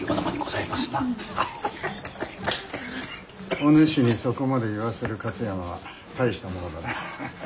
お主にそこまで言わせる勝山は大したものだな。